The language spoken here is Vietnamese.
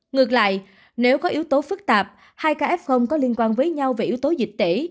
ngược lại nếu có yếu tố phức tạp hai ca f có liên quan với nhau về yếu tố dịch tễ